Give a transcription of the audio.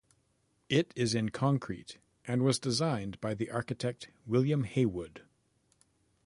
It is in concrete, and was designed by the architect William Haywood.